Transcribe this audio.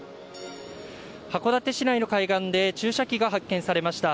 函館市内の海岸で注射器が発見されました。